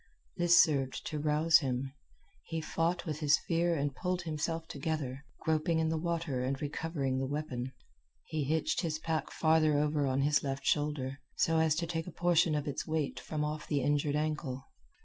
This served to rouse him. He fought with his fear and pulled himself together, groping in the water and recovering the weapon. He hitched his pack farther over on his left shoulder, so as to take a portion of its weight from off the injured ankle.